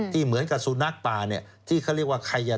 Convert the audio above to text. เหมือนกับสุนัขป่าเนี่ยที่เขาเรียกว่าใครอ่ะ